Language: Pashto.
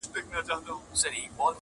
• تا کاسه خپله وهلې ده په لته -